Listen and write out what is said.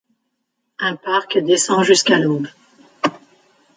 Un parc descend jusqu'à l’Aube.